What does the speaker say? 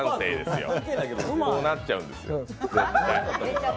そうなっちゃうんですよ、絶対。